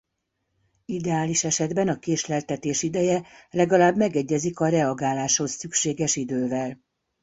Ideális esetben a késleltetés ideje legalább megegyezik a reagáláshoz szükséges idővel.